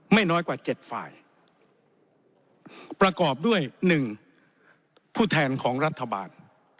ไม่น้อยกว่า๗ฝ่ายประกอบด้วย๑ผู้แทนของรัฐบาล